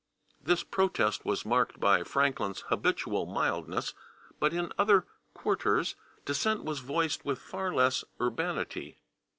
This protest was marked by Franklin's habitual mildness, but in other quarters dissent was voiced with far less urbanity.